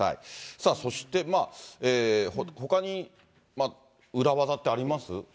さあそして、ほかに裏技ってあります？